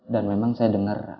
dan memang saya dengar